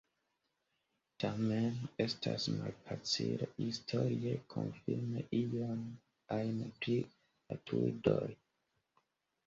Tamen estas malfacile historie konfirmi ion ajn pri la Druidoj.